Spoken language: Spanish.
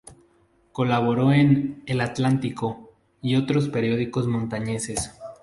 Colaboró en "El Atlántico" y otros periódicos montañeses.